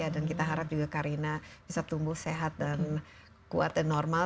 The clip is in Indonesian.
dan kita harap juga karina bisa tumbuh sehat dan kuat dan normal